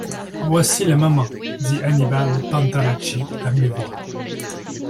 Voici le moment, dit Annibal Pantalacci à mi-voix.